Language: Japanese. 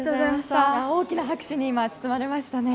大きな拍手に包まれましたね。